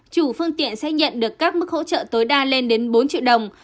chủ phương tiện sẽ nhận được các mức hỗ trợ tối đa lên đến bốn triệu đồng